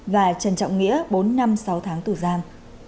và trần trọng nghĩa bốn năm sáu tháng tù giam